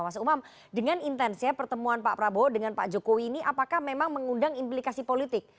mas umam dengan intensnya pertemuan pak prabowo dengan pak jokowi ini apakah memang mengundang implikasi politik